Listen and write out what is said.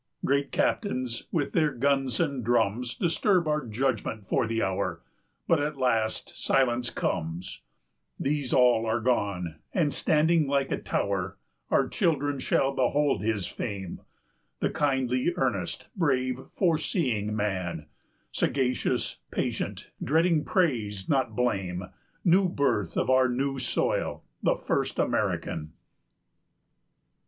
200 Great captains, with their guns and drums, Disturb our judgment for the hour, But at last silence comes; These all are gone, and, standing like a tower, Our children shall behold his fame, 205 The kindly earnest, brave, foreseeing man, Sagacious, patient, dreading praise, not blame, New birth of our new soil, the first American.